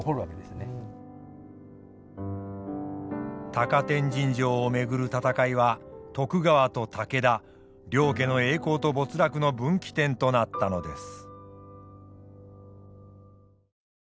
高天神城を巡る戦いは徳川と武田両家の栄光と没落の分岐点となったのです。